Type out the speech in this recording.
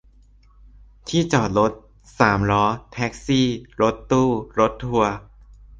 ที่จอดรถ สามล้อ แท็กซี่ รถตู้ รถทัวร์